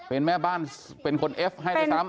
เป็นแม่บ้านเป็นคนเอฟให้ด้วยซ้ำ